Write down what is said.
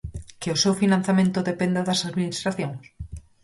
Que o seu financiamento dependa das administracións?